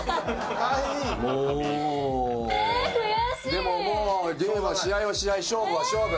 でも、もう試合は試合、勝負は勝負。